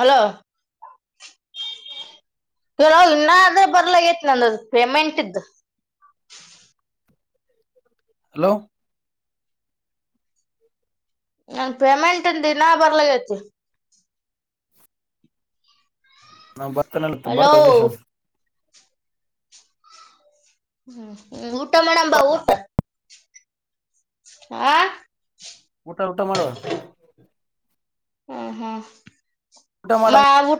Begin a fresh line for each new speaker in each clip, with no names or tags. Hello ಕೆಲ ಇನ್ನಾದ್ರೆ ಬರ್ಲ ಹೆಟ್ ನಂದ್ ಪೇಮೆಂಟ್ ಇದ್ದ್
ಹಲೋ
ನನ್ ಪೇಮೆಂಟ್ ದಿನಾ ಬರ್ಲಕ್ಕೈತಿ
ನಾ ಬರ್ತಾನ
ಹಲೋ
ಬರ್ತವೆ [unintelligible]
ಹ್ಮ್ ಊಟ ಮಾಡಂಬಾ ಊಟ. ಹಾ
ಊಟ ಊಟ ಮಾಡು.
ಹ್ಮ್ ಹ್ಮ್
ಊಟ ಮಾಡ
[unintelligible]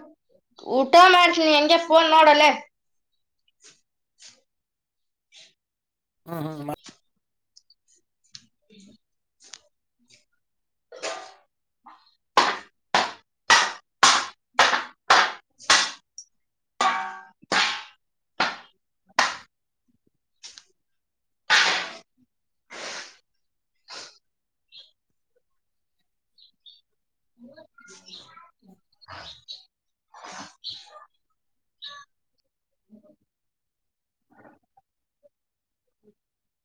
ಊಟ ಮಾಡ್ಸಿ ಹೆಂಗೆ ಫೋನ್ ನೋಡೋಲೇ
ಹ್ಮ್ ಹ್ಮ್
[inaudible] ಈ [inaudible] [inaudible] ಯು [inaudible]
[inaudible]
[inaudible]
ಹ [inaudible]